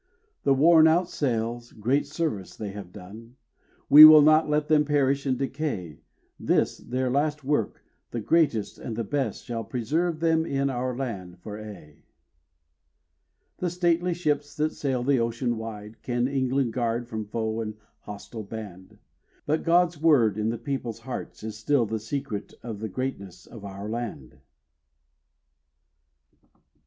The worn out sails, great service they have done, We will not let them perish and decay, This, their last work, the greatest and the best, It shall preserve them in our land for aye. The stately ships that sail the ocean wide, Can England guard from foe and hostile band; But God's word in the people's hearts, is still The secret of the greatness of our land.